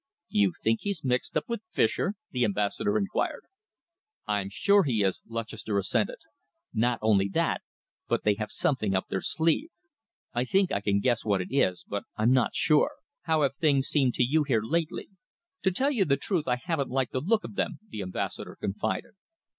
"You think he's mixed up with Fischer?" the Ambassador inquired. "I'm sure he is," Lutchester assented. "Not only that, but they have something up their sleeve. I think I can guess what it is, but I'm not sure. How have things seemed to you here lately?" "To tell you the truth, I haven't liked the look of them," the Ambassador confided.